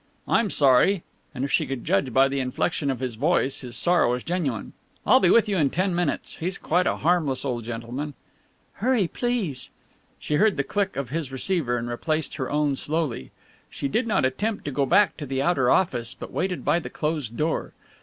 "I'm sorry," and if she could judge by the inflection of his voice his sorrow was genuine. "I'll be with you in ten minutes he's quite a harmless old gentleman " "Hurry, please." She heard the "click" of his receiver and replaced her own slowly. She did not attempt to go back to the outer office, but waited by the closed door.